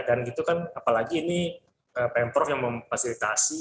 dan apalagi ini pemprov yang memfasilitasi